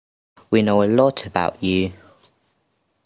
We know a lot about you.